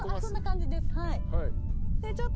そんな感じですはい。